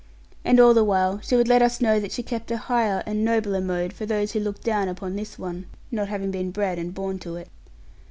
And all the while, she would let us know that she kept a higher and nobler mode for those who looked down upon this one, not having been bred and born to it.